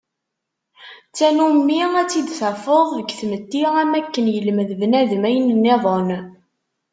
D tannumi ad tt-id-tafeḍ deg tmetti am wakken yelmed bnadem ayen nniḍen.